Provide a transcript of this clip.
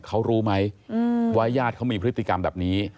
เขารู้ไหมว่าญาติเขามีพฤติกรรมแบบนี้